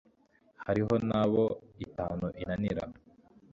hariho n' abo itanu inanira